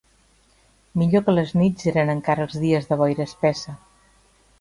Millor que les nits eren encara els dies de boira espessa